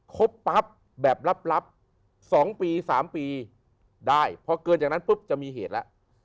ครบปั๊บแบบลับ๒ปี๓ปีได้พอเกินจากนั้นปุ๊บจะมีเหตุแล้ว